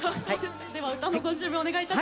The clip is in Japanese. では歌のご準備お願いいたします。